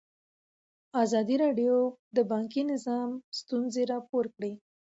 ازادي راډیو د بانکي نظام ستونزې راپور کړي.